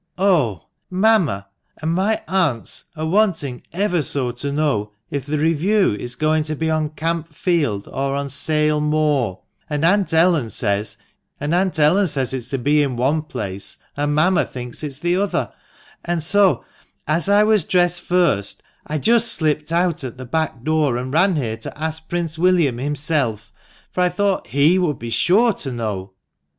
Oh, mamma and my aunts are wanting ever so to know if the review is going to be on Camp Field or on Sale Moor ; and Aunt Ellen says it's to be in one place, and mamma thinks it's the other ; and so, as I was dressed first, I just slipped out at the back door and ran here to ask Prince William himself, for I thought he would be sure to know.